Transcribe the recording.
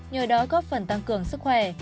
nhờ đó có phần tăng cường sức khỏe